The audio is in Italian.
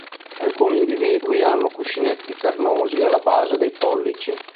Alcuni individui hanno cuscinetti carnosi alla base dei pollici.